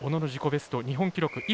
ベスト日本記録